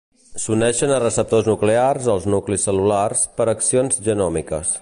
S'uneixen a receptors nuclears als nuclis cel·lulars per accions genòmiques.